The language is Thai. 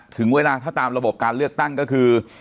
ถึงเวลาถ้าตามระบบการเลือกตั้งก็คือ